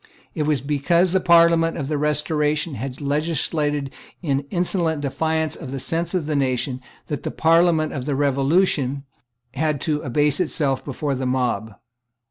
It was because the Parliament of the Restoration had legislated in insolent defiance of the sense of the nation that the Parliament of the Revolution had to abase itself before the mob.